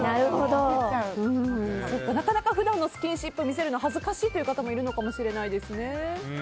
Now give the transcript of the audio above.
なかなか普段のスキンシップを見せるのは恥ずかしいという方もいるのかもしれないですね。